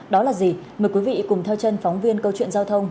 đó là gì mời quý vị cùng theo chân phóng viên câu chuyện giao thông